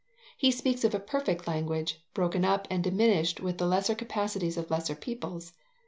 He speaks of a perfect language, broken up and diminished with the lesser capacities of lesser peoples.